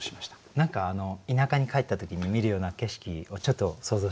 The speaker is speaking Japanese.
何か田舎に帰った時に見るような景色を想像しましたね。